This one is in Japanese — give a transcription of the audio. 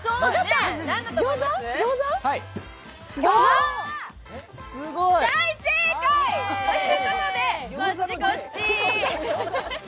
あーっ、大正解！ということでこっちこっち！